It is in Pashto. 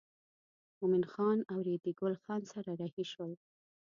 مومن خان او ریډي ګل خان سره رهي شول.